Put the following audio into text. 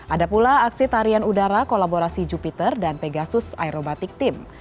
ada pula aksi tarian udara kolaborasi jupiter dan pegasus aerobatik team